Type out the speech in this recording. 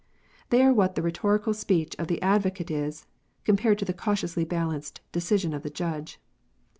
They are what the rhetorical speech of the advocate is, compared to the cautiously balanced decision of the judge.